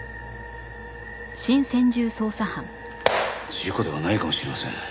事故ではないかもしれません。